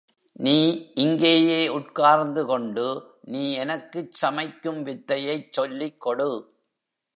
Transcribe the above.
நீ இங்கேயே உட்கார்ந்து கொண்டு நீ எனக்குச் சமைக்கும் வித்தையைச் சொல்லிக் கொடு.